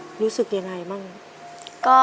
ที่ได้เงินเพื่อจะเก็บเงินมาสร้างบ้านให้ดีกว่า